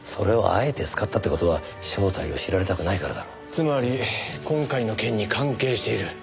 つまり今回の件に関係している。